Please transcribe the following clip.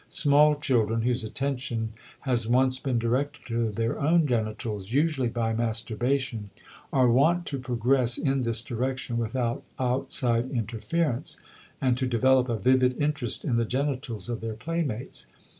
Small children, whose attention has once been directed to their own genitals usually by masturbation are wont to progress in this direction without outside interference, and to develop a vivid interest in the genitals of their playmates.